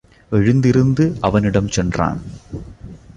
எழுந்திருந்து அவனிடம் சென்றான்.